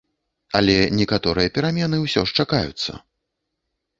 Але некаторыя перамены ўсё ж чакаюцца.